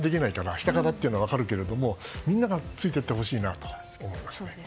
下からっていうのは分かるけどみんながついていってほしいなと思います。